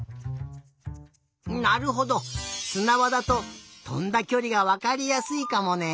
なるほどすなばだととんだきょりがわかりやすいかもね。